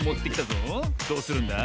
どうするんだ？